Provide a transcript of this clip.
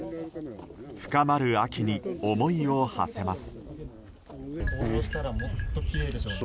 深まる秋に思いを馳せます。